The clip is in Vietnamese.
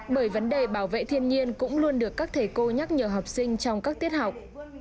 bởi vấn đề bảo vệ thiên nhiên cũng luôn được các thầy cô nhắc nhờ học sinh trong các tiết học